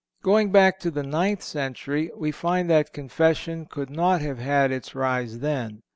Going back to the ninth century we find that Confession could not have had its rise then.